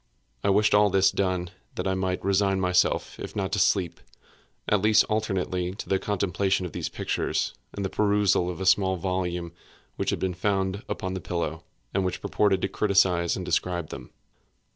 I wished all this done that I might resign myself, if not to sleep, at least alternately to the contemplation of these pictures, and the perusal of a small volume which had been found upon the pillow, and which purported to criticise and describe them.